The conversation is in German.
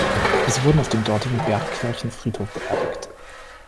Sie wurden auf dem dortigen Bergkirchen-Friedhof beerdigt.